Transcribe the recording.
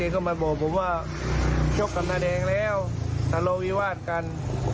เก๊เข้ามาบอกผมว่าชกกับนาเดงแล้วทะโลวิวาดกัน